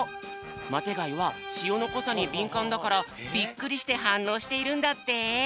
マテがいはしおのこさにびんかんだからびっくりしてはんのうしているんだって。